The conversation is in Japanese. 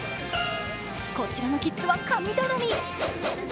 こちらのキッズは神頼み。